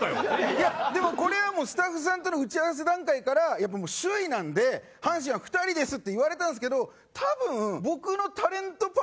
いやでもこれはもうスタッフさんとの打ち合わせ段階から「首位なんで阪神は２人です」って言われたんですけど多分。